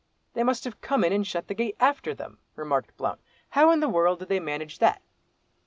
"They must have come in and shut the gate after them," remarked Blount; "how in the world did they manage that?"